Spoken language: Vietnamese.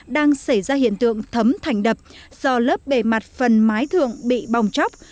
đang xảy ra hiện tượng thấm thành đập do lớp bề mặt phần mái thượng bị bong chóc